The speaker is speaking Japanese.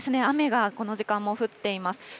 雨がこの時間も降っています。